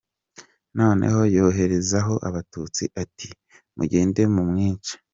Noneho yoherezayo Abatutsi, ati: “mugende mumwice”.